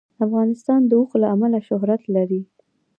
افغانستان د اوښ له امله شهرت لري.